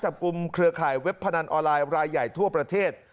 เครือข่ายเว็บพนันออนไลน์รายใหญ่ทั่วประเทศ